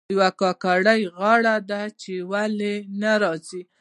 یوه کاکړۍ غاړه ده چې ولې نه راځي.